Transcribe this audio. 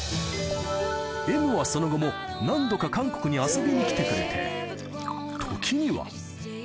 Ｍはその後も、何度か韓国に遊びに来てくれて、時には。